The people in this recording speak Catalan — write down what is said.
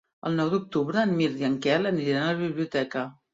El nou d'octubre en Mirt i en Quel aniran a la biblioteca.